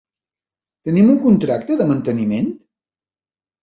Tenim un contracte de manteniment?